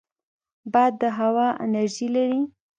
باد د هوا انرژي لري